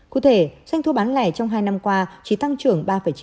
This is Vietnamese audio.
cụ thể doanh thu bán lẻ trong hai năm qua chỉ tăng trưởng ba chín mươi bảy